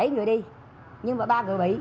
bảy người đi nhưng mà ba người bị